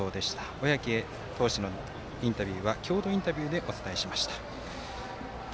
小宅投手のインタビューは共同インタビューでお伝えしました。